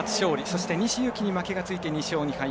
そして、西勇輝に負けがついて２勝２敗。